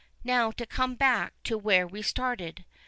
Now, to come back to where we started.